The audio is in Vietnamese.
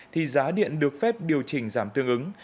thì giá điện được phép điều chỉnh giảm tương ứng